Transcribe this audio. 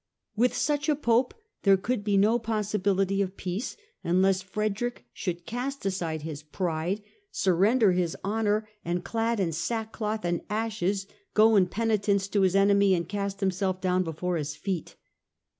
With such a Pope there could be no possibility of peace, unless Frederick should cast aside his pride, surrender his honour and, clad in sackcloth and ashes, go in penitence to his enemy and cast himself down before his feet.